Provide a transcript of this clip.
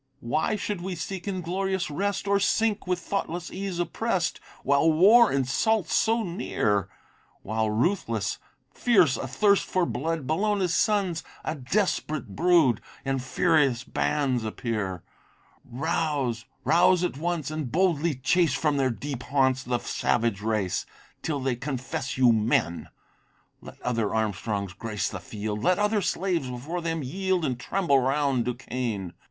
Why should we seek inglorious rest, Or sink, with thoughtless ease oppress'd, While war insults so near? While ruthless, fierce, athirst for blood, Bellona's sons, a desperate brood! In furious bands appear! Rouse, rouse at once, and boldly chase From their deep haunts, the savage race, Till they confess you men. Let other Armstrongs grace the field! Let other slaves before them yield, And tremble round Duquesne.